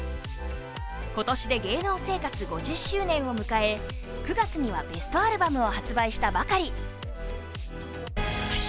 今年で芸能生活５０周年を迎え９月にはベストアルバムを発売したばかり。